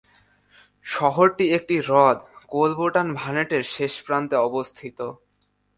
শহরটি একটি হ্রদ কোলবোটানভানেটের শেষ প্রান্তে অবস্থিত।